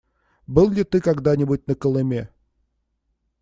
Был ли ты когда-нибудь на Колыме?